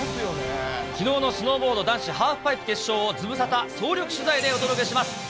きのうのスノーボード男子ハーフパイプ決勝を、ズムサタ総力取材でお届けします。